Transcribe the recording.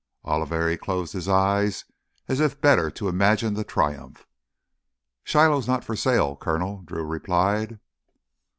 Oliveri closed his eyes as if better to imagine the triumph. "Shiloh's not for sale, Coronel," Drew replied.